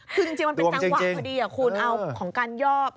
คือจริงมันเป็นจังหวะพอดีคุณเอาของการยอบ